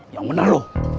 yang bener lo